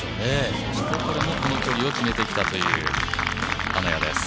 そしてこれもこの距離を決めてきたという金谷です。